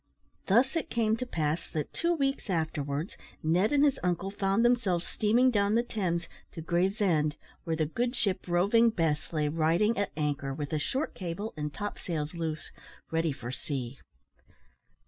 Thus it came to pass that, two weeks afterwards, Ned and his uncle found themselves steaming down the Thames to Gravesend, where the good ship Roving Bess lay riding at anchor, with a short cable, and top sails loose, ready for sea.